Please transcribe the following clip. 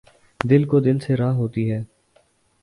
دِل کو دِل سے راہ ہوتی ہے